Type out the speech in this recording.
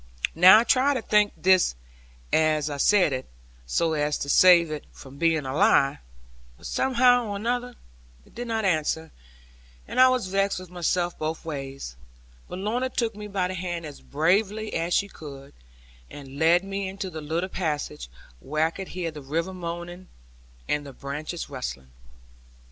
Now I tried to think this as I said it, so as to save it from being a lie; but somehow or other it did not answer, and I was vexed with myself both ways. But Lorna took me by the hand as bravely as she could, and led me into a little passage where I could hear the river moaning and the branches rustling.